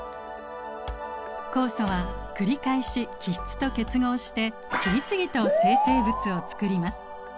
酵素は繰り返し基質と結合して次々と生成物を作ります。